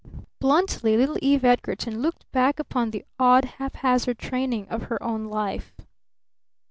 Bluntly little Eve Edgarton looked back upon the odd, haphazard training of her own life.